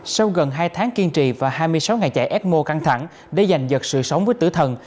sau gần hai tháng kiên trì và hai mươi sáu ngày chạy ecmo căng thẳng để giành giật sự sống với tử thần